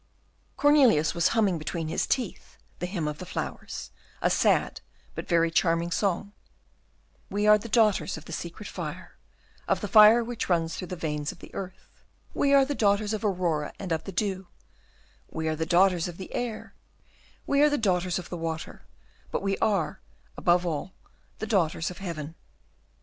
Cornelius was humming between his teeth the "Hymn of Flowers," a sad but very charming song, "We are the daughters of the secret fire Of the fire which runs through the veins of the earth; We are the daughters of Aurora and of the dew; We are the daughters of the air; We are the daughters of the water; But we are, above all, the daughters of heaven."